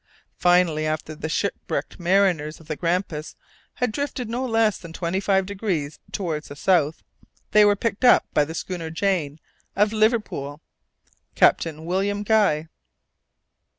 Finally, after the shipwrecked mariners of the Grampus had drifted no less than twenty five degrees towards the south, they were picked up by the schooner Jane, of Liverpool, Captain William Guy.